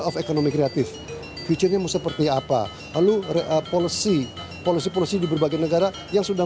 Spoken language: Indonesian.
of economy kreatif future nya mau seperti apa lalu policy policy policy di berbagai negara yang sudah